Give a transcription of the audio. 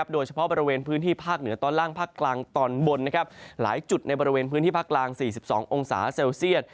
โดยเฉพาะบริเวณพื้นที่ภาคเหนือตอนล่างภาคกลางตอนบนหลายจุดในบริเวณพื้นที่ภาคกลาง๔๒องศาเซลเซียต